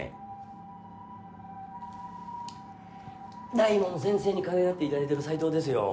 大門先生にかわいがっていただいてる斎藤ですよ。